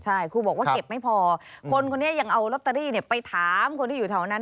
ใช่ครูบอกว่าเก็บไม่พอคนคนนี้ยังเอาลอตเตอรี่ไปถามคนที่อยู่แถวนั้น